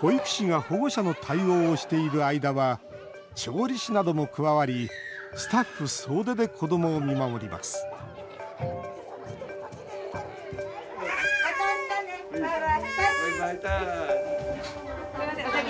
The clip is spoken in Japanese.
保育士が保護者の対応をしている間は調理師なども加わりスタッフ総出で子どもを見守りますまた、あしたね。